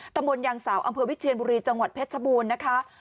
ตำบลยางสาวอำเภอวิเชียนบุรีจังหวัดเพชรชบูรณ์นะคะ